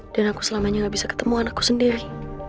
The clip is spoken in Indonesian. dan aku selamanya gak bisa ketemu anakku sendiri